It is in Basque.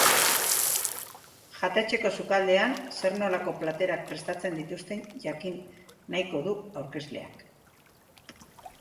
Jatetxeko sukaldean zer-nolako platerak prestatzen dituzten jakin nahiko du aurkezleak.